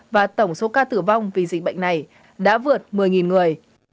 và tổng số ca tử vong vì dịch bệnh này đã vượt một mươi người